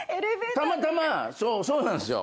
たまたまそうなんすよ。